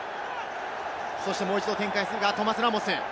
もう一度展開するが、トマ・ラモス。